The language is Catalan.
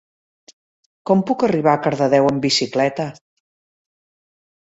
Com puc arribar a Cardedeu amb bicicleta?